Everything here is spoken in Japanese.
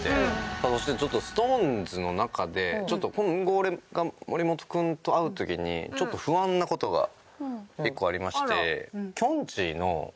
さあそしてちょっとＳｉｘＴＯＮＥＳの中でちょっと今後俺が森本君と会う時にちょっと不安な事が１個ありまして。